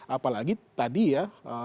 apalagi tadi ya